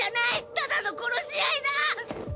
ただの殺し合いだ！！